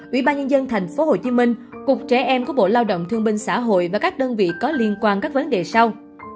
ubnd tp hcm cục trẻ em của bộ lao động thương minh xã hội và các đơn vị có liên quan các vấn đề sau